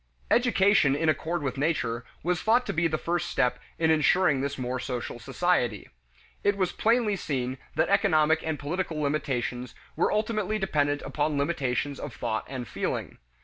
Education in accord with nature was thought to be the first step in insuring this more social society. It was plainly seen that economic and political limitations were ultimately dependent upon limitations of thought and feeling.